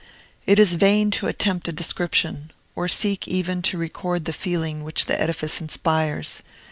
It is vain to attempt a description, or seek even to record the feeling which the edifice inspires.